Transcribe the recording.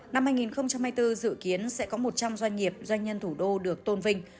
năm hai nghìn hai mươi bốn dự kiến sẽ có một trăm linh doanh nghiệp doanh nhân thủ đô được tôn vinh